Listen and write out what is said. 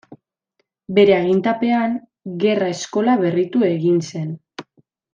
Bere agintepean, gerra eskola berritu egin zen.